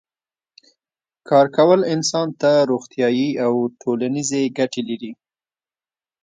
کار کول انسان ته روغتیایی او ټولنیزې ګټې لري